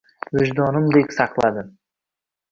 Vijdonimdek saqladim.